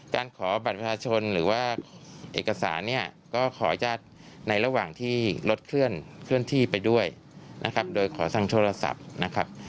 การขอบัตรประชาชนหรือว่าเอกสารเนี่ยก็ขออนุญาตในระหว่างที่รถเคลื่อนที่ไปด้วยนะครับโดยขอทางโทรศัพท์นะครับ